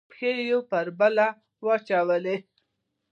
پښه یې یوه پر بله واچوله.